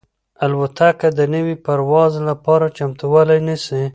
الوتکه د نوي پرواز لپاره چمتووالی نیسي.